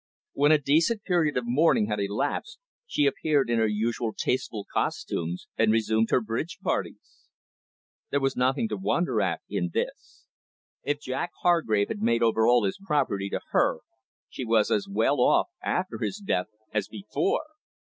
When a decent period of mourning had elapsed, she appeared in her usual tasteful costumes, and resumed her bridge parties. There was nothing to wonder at in this. If Jack Hargrave had made over all his property to her, she was as well off after his death as before.